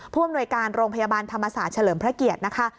ผู้อำนวยการโรงพยาบาลธรรมศาสตร์เฉลิมพระเกียรตินะคะ